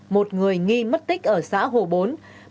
một người nghi mất tích ở xã hồ bốn